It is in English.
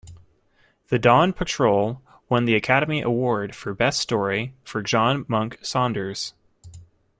"The Dawn Patrol" won the Academy Award for Best Story for John Monk Saunders.